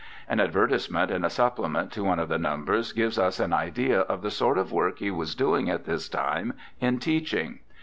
An advertisement in a supplement to one of the numbers gives us an idea of the sort of work he was doing at this time in teaching.